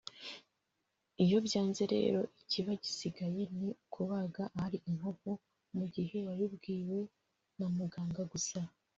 iyo byanze rero ikiba gisigaye ni ukubaga ahari inkovu mu gihe wabibwiwe na muganga gusa